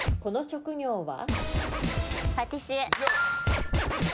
この職業は？